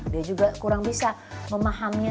dia juga kurang bisa memahaminya